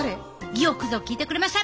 よくぞ聞いてくれました！